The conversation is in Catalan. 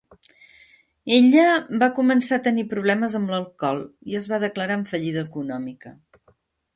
Ella va començar a tenir problemes amb l’alcohol i es va declarar en fallida econòmica.